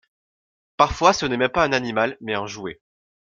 Parfois, ce n'est même pas un animal, mais un jouet.